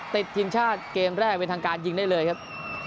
ติดทีมชาติเกมแรกเป็นทางการยิงได้เลยครับ